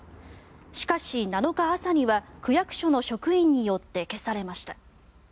しかし、７日朝には区役所の職員によって消されました。